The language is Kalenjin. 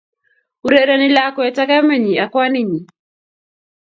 Urereni lakwet ak kamenyi ak kwanunyi